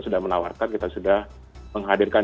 sudah menawarkan kita sudah menghadirkan